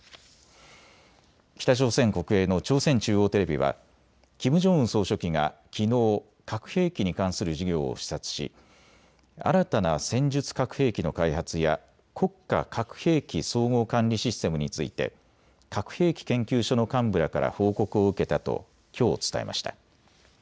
北朝鮮国営の朝鮮中央テレビはキム・ジョンウン総書記がきのう核兵器に関する事業を視察し新たな戦術核兵器の開発や国家核兵器総合管理システムについて核兵器研究所の幹部らから報告を受けたときょう伝えました。